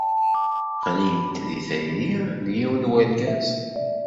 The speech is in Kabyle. Ɣlint deg tayri n yiwen n urgaz.